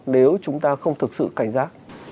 nếu chúng ta không thực sự cảnh giác